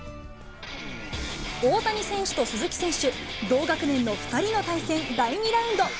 大谷選手と鈴木選手、同学年の２人の対戦第２ラウンド。